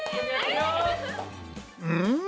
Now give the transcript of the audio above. うん？